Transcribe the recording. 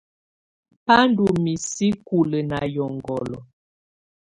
Bá ndɔ́ misí kulǝ́ na ƴɔŋhɔlɔ.